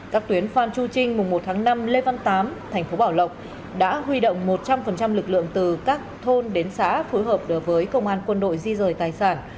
các tuyến phan chu trinh mùng một tháng năm lê văn tám thành phố bảo lộc đã huy động một trăm linh lực lượng từ các thôn đến xã phối hợp đối với công an quân đội di rời tài sản